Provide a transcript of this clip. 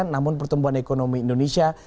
namun pertumbuhan ekonomi indonesia